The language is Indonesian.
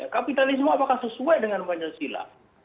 kapitalisme apakah sesuai dengan pancasila